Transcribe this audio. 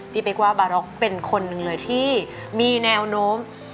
เป๊กว่าบาร็อกเป็นคนหนึ่งเลยที่มีแนวโน้ม